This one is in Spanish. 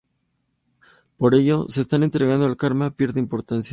Por ello, en esta entrega el karma pierde importancia.